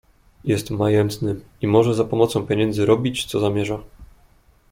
"Jest majętnym i może za pomocą pieniędzy robić co zamierza."